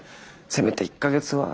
せめて１か月は。